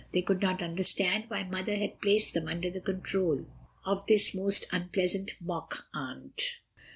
They could not understand why Mother had placed them under the control of this most unpleasant mock aunt.